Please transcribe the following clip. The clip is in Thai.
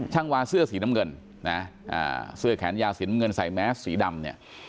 ช่างวาเสื้อสีน้ำเงินเสื้อแขนยาสีน้ำเงินใส่แมสสีดำ